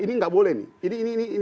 ini gak boleh nih